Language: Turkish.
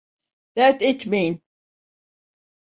Dert etmeyin.